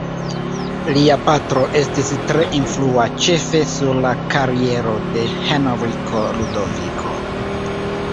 Lia patro estis tre influa ĉefe sur la kariero de Henriko Ludoviko.